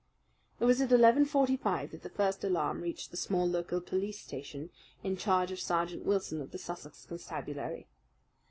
It was at eleven forty five that the first alarm reached the small local police station, in charge of Sergeant Wilson of the Sussex Constabulary.